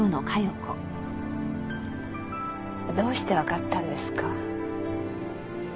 どうしてわかったんですか？